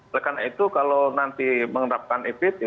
oleh karena itu kalau nanti menerapkan ebt